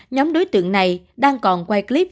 nhóm đối tượng này đang còn quay clip